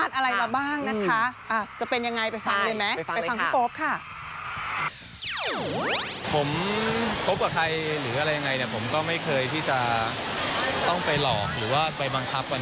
ต้องไปหลอกหรือว่าไปบังคับกว่านี้ครับ